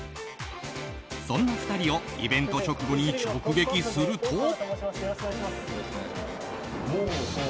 そんな２人をイベント直後に直撃すると。